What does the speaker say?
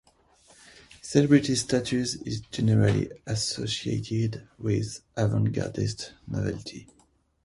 Celebrity status is generally associated with avant-gardist novelty.